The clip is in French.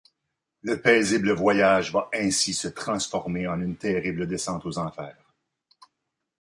Le paisible voyage va ainsi se transformer en une terrible descente aux enfers.